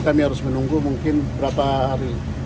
kami harus menunggu mungkin berapa hari